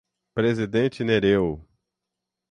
Presidente Nereu